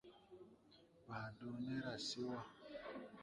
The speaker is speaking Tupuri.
Baa dɔɔ ne ra se wà.